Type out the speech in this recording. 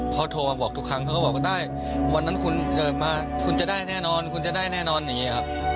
พอโทรมาบอกทุกครั้งเขาก็บอกว่าได้วันนั้นคุณเกิดมาคุณจะได้แน่นอนคุณจะได้แน่นอนอย่างนี้ครับ